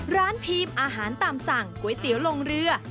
พีมอาหารตามสั่งก๋วยเตี๋ยวลงเรือ